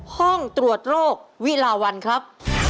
ห้องตรวจโรควิลาวันครับ